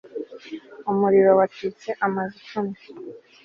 umuriro watwitse amazu icumi